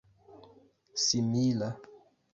simila